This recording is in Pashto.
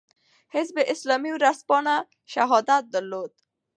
حزب اسلامي ورځپاڼه "شهادت" درلوده.